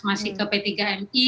masih ke p tiga mi